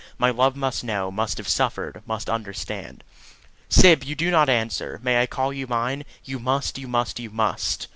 My love must know, must have suffered, must understand. "Syb, you do not answer. May I call you mine? You must, you must, you must!"